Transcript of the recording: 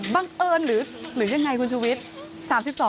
บังเอิญหรือหรือยังไงคุณชุวิทย์